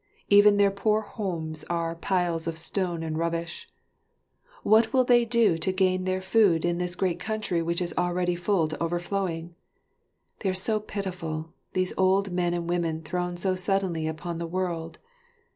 Even their poor homes are piles of stone and rubbish. What will they do to gain their food in this great country which is already full to over flowing? They are so pitiful, these old men and women thrown so suddenly upon the world.